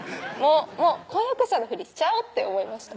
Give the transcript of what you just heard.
もう婚約者のふりしちゃおうって思いました